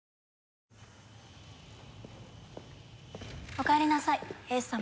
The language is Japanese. おかえりなさい英寿様。